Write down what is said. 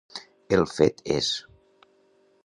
El fet és.